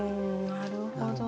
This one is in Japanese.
なるほど。